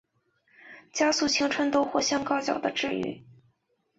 加速青春痘或香港脚的治愈。